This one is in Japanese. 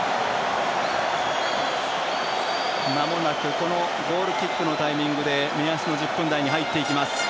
まもなくゴールキックのタイミングで目安の１０分台に入っていきます。